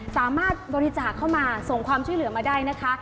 สามารถบริจาคเข้ามาส่งความช่วยเหลือมาได้นะคะ